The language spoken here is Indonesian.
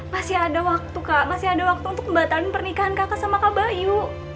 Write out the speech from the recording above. masih ada waktu kak masih ada waktu untuk membatalkan pernikahan kakak sama kak bayu